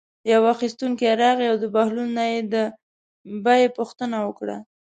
یو اخیستونکی راغی او د بهلول نه یې د بیې پوښتنه وکړه.